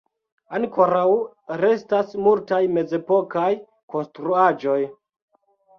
Ankoraŭ restas multaj mezepokaj konstruaĵoj.